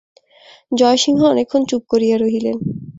জয়সিংহ অনেক ক্ষণ চুপ করিয়া রহিলেন।